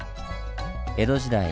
江戸時代